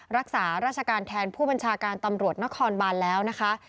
รักษาราชการแทนผู้บัญชาการตำรวจนครบานแล้วนะคะ